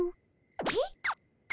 えっ？